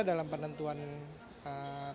dalam penentuan tarif